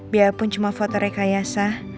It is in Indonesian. biarpun foto rakyatnya cuma rekayasa